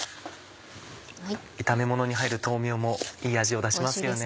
炒めものに入る豆苗もいい味を出しますよね。